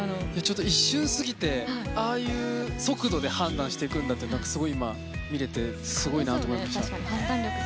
一瞬過ぎて、ああいう速度で判断していくんだと今、見れてすごいなと思いました。